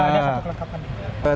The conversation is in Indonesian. ada satu kelengkapan juga